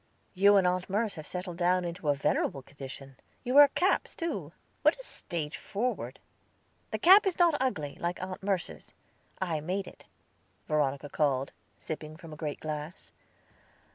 "You and Aunt Merce have settled down into a venerable condition. You wear caps, too! What a stage forward!" "The cap is not ugly, like Aunt Merce's; I made it," Veronica called, sipping from a great glass.